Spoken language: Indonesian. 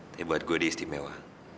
tapi buat gue di istimewa